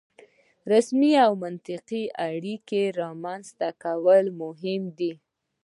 رسمي او منطقي اړیکې رامنځته کول مهم دي.